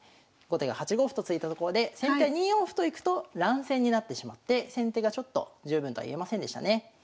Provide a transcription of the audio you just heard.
後手が８五歩と突いたところで先手は２四歩といくと乱戦になってしまって先手がちょっと十分とはいえませんでしたね。